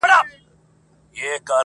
هم غریب دی هم رنځور دی هم ډنګر دی،